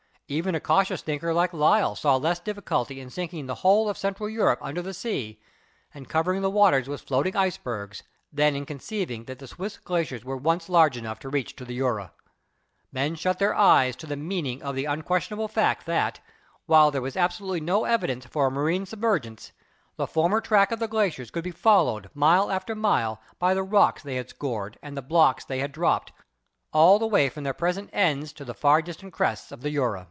Even a cautious thinker like Lyell saw less difficulty in sinking the whole of Central Europe under the sea, and covering the waters with floating ice bergs, than in conceiving that the Swiss glaciers were once large enough to reach to the Jura. Men shut their eyes to the meaning of the unquestionable fact that, while there was absolutely no evidence for a marine submergence, the former track of the glaciers could be followed mile after Fig. 9 — A Typical Glacier System. mile, by the rocks they had scored and the blocks they had dropped, all the way from their present ends to the far distant crests of the Jura.